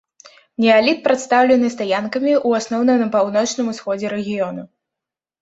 Неаліт прадстаўлены стаянкамі з ў асноўным на паўночным усходзе рэгіёну.